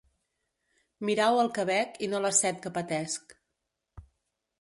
Mirau el que bec i no la set que patesc.